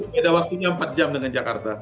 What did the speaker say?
beda waktunya empat jam dengan jakarta